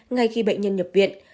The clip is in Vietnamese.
ngay khi bệnh nhân nhập viện